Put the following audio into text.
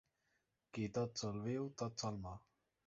Qui tot sol viu, tot sol mor.